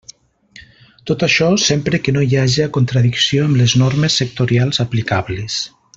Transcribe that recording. Tot això, sempre que no hi haja contradicció amb les normes sectorials aplicables.